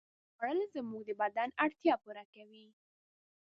خوړل زموږ د بدن اړتیا پوره کوي